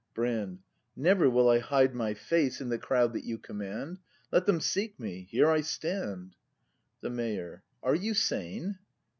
Brand. Never will I hide my face In the crowd that you command; Let them seek me: here I stand. The Mayor. Are you sane